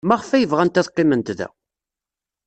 Maɣef ay bɣant ad qqiment da?